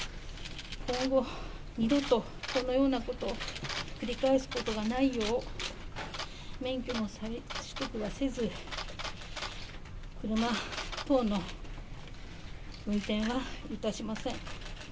今後、二度とこのようなことを繰り返すことがないよう、免許の再取得はせず、車等の運転はいたしません。